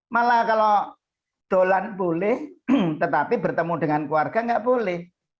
malah kalau dolan boleh tetapi bertemu dengan keluarga nggak boleh